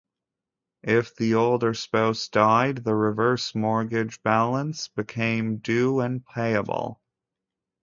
If the older spouse died, the reverse mortgage balance became due and payable.